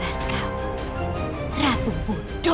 dasar kau ratu budo